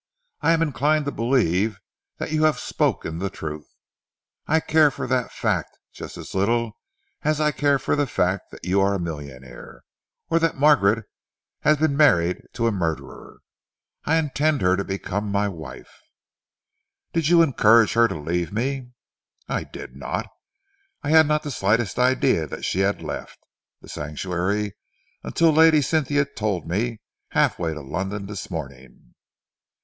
I am inclined to believe that you have spoken the truth. I care for that fact just as little as I care for the fact that you are a millionaire, or that Margaret has been married to a murderer. I intend her to become my wife." "Did you encourage her to leave me?" "I did not. I had not the slightest idea that she had left The Sanctuary until Lady Cynthia told me, halfway to London this morning."